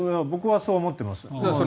僕はそう思っています。